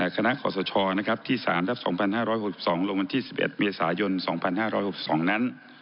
คณะขอสชนะครับที่๓ที่๒๕๖๒ลงวันที่๑๑เมษายน๒๕๖๒นั้น